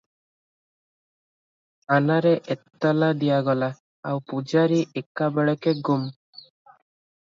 ଥାନାରେ ଏତଲା ଦିଆଗଲା, ଆଉ ପୂଝାରୀ ଏକା ବେଳକେ ଗୁମ୍!